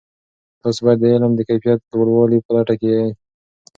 تاسې باید د علم د کیفیت لوړولو په لټه کې سئ.